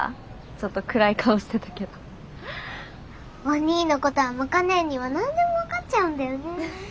おにぃのことはもか姉には何でも分かっちゃうんだよね。